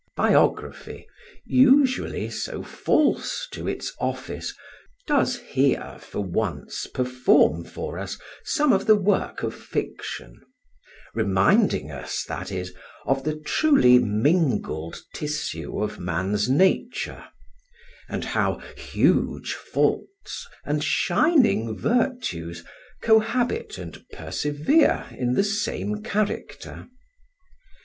Biography, usually so false to its office, does here for once perform for us some of the work of fiction, reminding us, that is, of the truly mingled tissue of man's nature, and how huge faults and shining virtues cohabit and persevere in the same character.